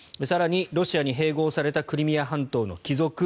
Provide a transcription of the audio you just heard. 更に、ロシアに併合されたクリミア半島の帰属